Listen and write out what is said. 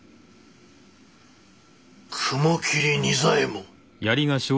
雲霧仁左衛門。